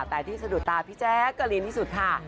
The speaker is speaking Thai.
แต่ที่สะดุดตาพี่แจ๊กกะลินที่สุดค่ะ